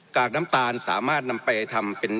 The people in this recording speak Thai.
กากน้ำตาลสามารถนำไปทำเป็น